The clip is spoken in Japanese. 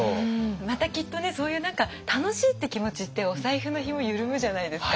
またきっとねそういう楽しいって気持ちってお財布のひも緩むじゃないですか。